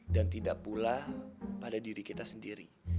dan tidak pula pada diri kita sendiri